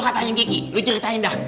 betul katanya kiki lu ceritain dah